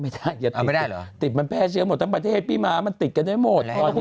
ติดมันแพร่เชื้อหมดทั้งประเทศพี่ม้ามันติดกันได้หมด